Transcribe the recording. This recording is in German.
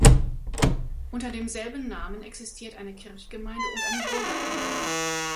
Unter demselben Namen existiert eine Kirchgemeinde und eine Burgergemeinde.